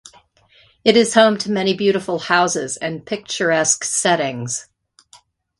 It is home to many beautiful houses, and picturesque settings.